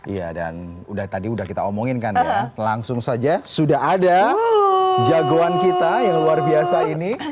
iya dan udah tadi udah kita omongin kan ya langsung saja sudah ada jagoan kita yang luar biasa ini